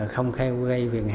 không kheo gây